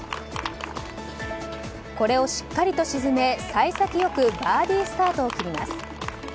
これをしっかりと沈め幸先よくバーディースタートを切ります。